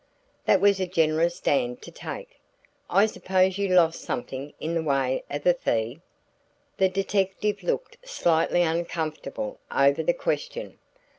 "That was a generous stand to take. I suppose you lost something in the way of a fee?" The detective looked slightly uncomfortable over the question.